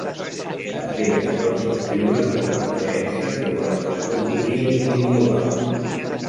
També es pot descriure com la creença sobre l'escatologia individual.